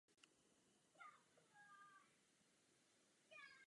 Muzeum bylo od počátku zaměřeno především na zahraniční turisty.